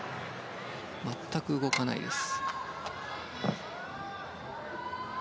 全く動かないです。